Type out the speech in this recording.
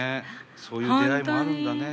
そういう出会いもあるんだね。